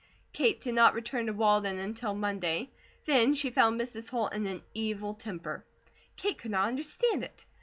Kate did not return to Walden until Monday; then she found Mrs. Holt in an evil temper. Kate could not understand it.